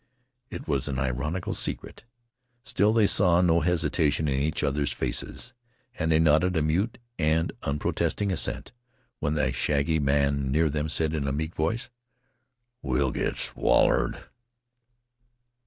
It was an ironical secret. Still, they saw no hesitation in each other's faces, and they nodded a mute and unprotesting assent when a shaggy man near them said in a meek voice: "We'll git swallowed."